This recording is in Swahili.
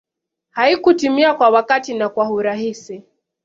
haikutimia kwa wakati na kwa urahisi